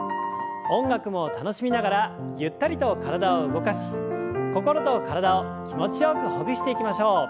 音楽も楽しみながらゆったりと体を動かし心と体を気持ちよくほぐしていきましょう。